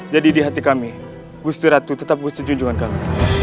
jadi di hati kami gusti ratu tetap diunjungi kami